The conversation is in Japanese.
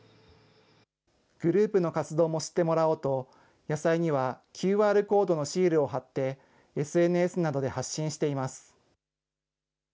グループの活動も知ってもらおうと、野菜にはＱＲコードのシールを貼って、ＳＮＳなどで発信しています。